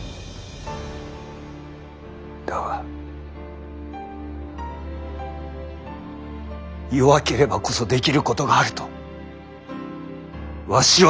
だが弱ければこそできることがあるとわしは信じる。